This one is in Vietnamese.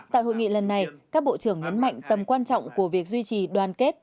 tại hội nghị lần này các bộ trưởng nhấn mạnh tầm quan trọng của việc duy trì đoàn kết